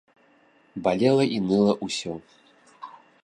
Балела і ныла ўсё.